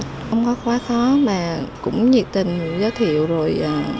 không có quá khó mà cũng nhiệt tình giới thiệu rồi